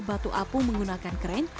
waktu apu menggunakan kren